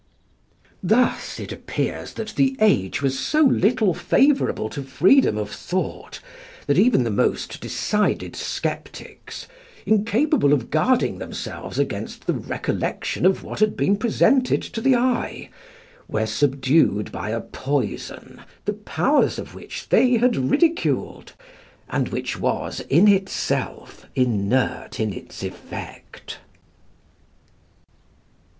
Thus it appears that the age was so little favourable to freedom of thought, that even the most decided sceptics, incapable of guarding themselves against the recollection of what had been presented to the eye, were subdued by a poison, the powers of which they had ridiculed, and which was in itself inert in its effect.